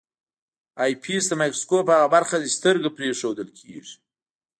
آی پیس د مایکروسکوپ هغه برخه ده چې سترګه پرې ایښودل کیږي.